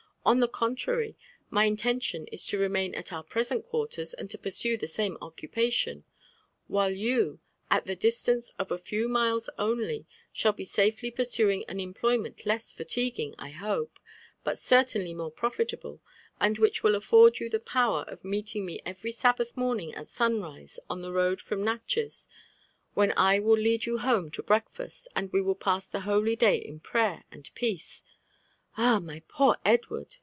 On the con trary, my intention is to remain at our present quarters, and to pursue the same occupatipn ; while you, at the distance of a few miles only, shall be safely pursuing an employment less fatiguing, I hope, but certainly more profitable, and which will afibrd you the power of meeting me every Sabbath morning at sunrise on the road from Natchez, when I will lead you home to breakfast, and we will pass the holy day in prayer and peace." "Ah! my poor Edward!''